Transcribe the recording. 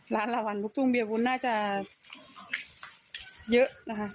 ละวันลูกทุ่งเบียวุ้นน่าจะเยอะนะคะ